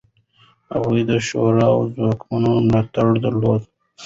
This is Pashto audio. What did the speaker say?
هغه د شوروي ځواکونو ملاتړ درلود.